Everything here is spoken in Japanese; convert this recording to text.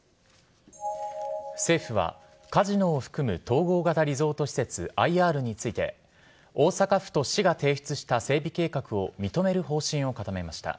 政府はカジノを含む統合型リゾート施設ＩＲについて大阪府と市が提出した整備計画を認める方針を固めました。